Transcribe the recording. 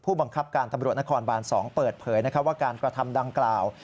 บังคับการตำรวจนครบาน๒เปิดเผยว่าการกระทำดังกล่าว